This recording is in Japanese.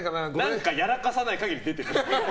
何かやらかさない限り出てます。